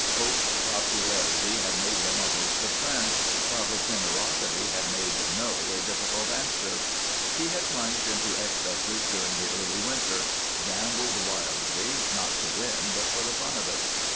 Hope's popularity had made him a host of friends, while his generosity had made "no" a difficult answer. He had plunged into excesses during the early winter; gambled wildly, not to win, but for the fun of it.